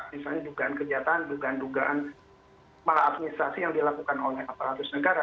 misalnya dugaan kejahatan dugaan dugaan malah administrasi yang dilakukan oleh aparatus negara